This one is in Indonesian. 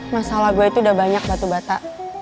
masalah gue itu udah banyak batu bata